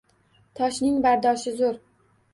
Toshning bardoshi zo’r.